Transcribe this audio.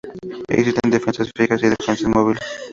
Existen defensas fijas y defensas móviles.